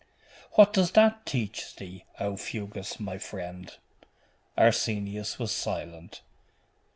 'What does that teach thee, Aufugus, my friend?' Arsenius was silent.